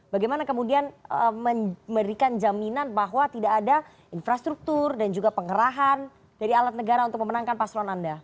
bagaimana kemudian memberikan jaminan bahwa tidak ada infrastruktur dan juga pengerahan dari alat negara untuk memenangkan paslon anda